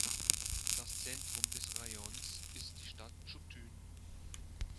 Das Zentrum des Rajons ist die Stadt Chotyn.